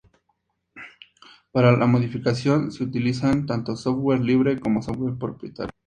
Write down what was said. Para la modificación se utilizan tanto software libre como software propietario.